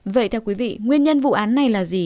vậy theo quý vị nguyên nhân vụ án này là gì